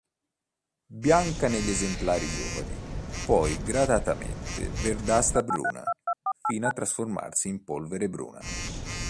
Bianca negli esemplari giovani, poi gradatamente verdastra-bruna sino a trasformarsi in polvere bruna.